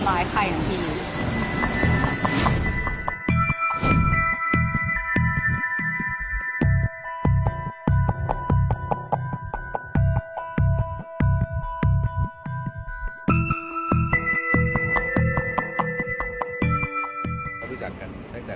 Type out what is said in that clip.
มันเป็นแบบที่สุดท้ายแต่มันเป็นแบบที่สุดท้าย